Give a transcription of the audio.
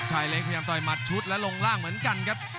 ชายเล็กพยายามต่อยหมัดชุดและลงล่างเหมือนกันครับ